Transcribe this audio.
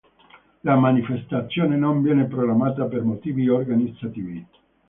La manifestazione non viene programmata per motivi organizzativi.